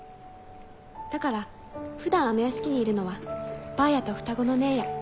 だから普段あの屋敷にいるのはばあやと双子のねえや。